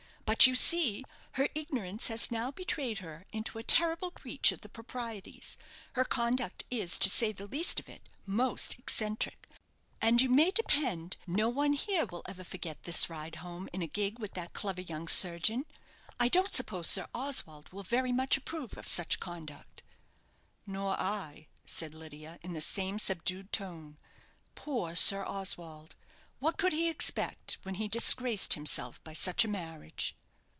But, you see, her ignorance has now betrayed her into a terrible breach of the proprieties. Her conduct is, to say the least of it, most eccentric; and you may depend, no one here will ever forget this ride home in a gig with that clever young surgeon. I don't suppose Sir Oswald will very much approve of such conduct." "Nor I," said Lydia, in the same subdued tone. "Poor Sir Oswald! What could he expect when he disgraced himself by such a marriage?"